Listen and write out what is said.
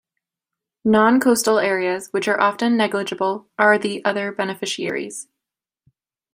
Non-coastal areas, which are often negligible, are the other beneficiaries.